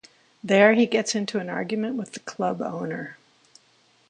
There he gets into an argument with the club owner.